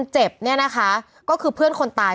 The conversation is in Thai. เจ็บเนี่ยนะคะก็คือเพื่อนคนตาย